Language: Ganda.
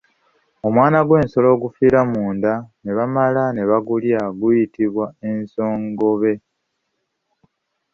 Omwana gw’ensolo ogufiira munda ne bamala ne bagulya guyitibwa ensongobe.